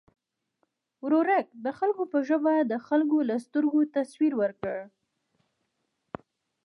ورورک د خلکو په ژبه د خلکو له سترګو تصویر ورکړ.